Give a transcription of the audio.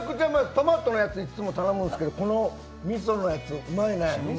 トマトのやついつも頼むんですけどこのみそのやつ、うまいね。